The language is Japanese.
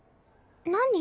何？